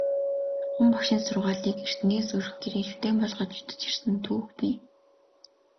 Бурхан Багшийн сургаалыг эртнээс өрх гэрийн шүтээн болгож шүтэж ирсэн түүх бий.